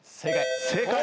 正解。